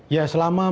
ya selama masalahnya